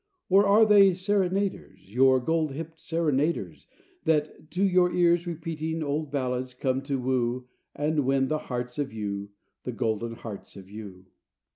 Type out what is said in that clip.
Or are they serenaders, Your gold hipped serenaders, That, to your ears repeating Old ballads, come to woo, And win the hearts of you, The golden hearts of you?